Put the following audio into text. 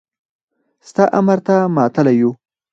ستا امر ته ماتله يو.